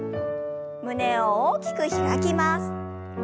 胸を大きく開きます。